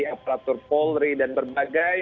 aparatur polri dan berbagai